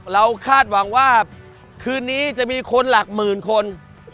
คาดหวังว่าคืนนี้จะมีคนหลักหมื่นคน